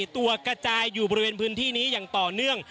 ตัวกระจายอยู่บริเวณพื้นที่นี้อย่างต่อเนื่อง